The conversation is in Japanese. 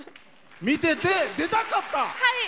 見てて、出たかった。